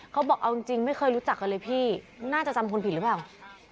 เขาบอกเอาจริงไม่เคยรู้จักกันเลยพี่น่าจะจำคนผิดหรือเปล่า